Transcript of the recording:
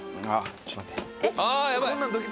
ちょっと待ってえっ？